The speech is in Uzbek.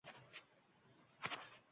Qirol indamadi.